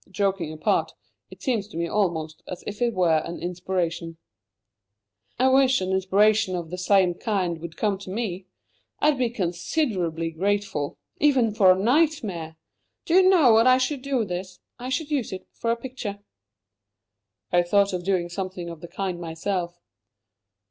"Joking apart, it seems to me almost as if it were an inspiration." "I wish an inspiration of the same kind would come to me. I'd be considerably grateful even for a nightmare. Do you know what I should do with this? I should use it for a picture." "I thought of doing something of the kind myself."